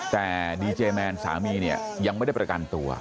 แต่ดีเจแมนสามีเนี่ยยังไม่ได้ประกันตัว